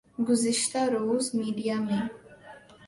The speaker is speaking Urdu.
گزشتہ روز میڈیا میں